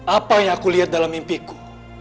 apa yang aku lihat dalam mimpiku